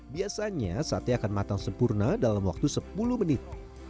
biasanya sate akan matang sempurna dalam waktu sepuluh menit